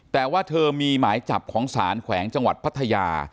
แต่ว่าเธอมีหมายจับของศาลแขวงจังหวัดพัทยา